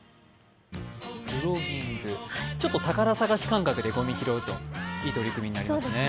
プロギング、ちょっと宝探し感覚でごみを拾うといい取り組みになりますね。